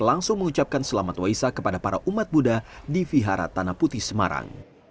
langsung mengucapkan selamat waisa kepada para umat buddha di vihara tanah putih semarang